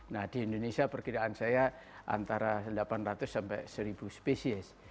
nah di indonesia perkiraan saya antara delapan ratus sampai seribu spesies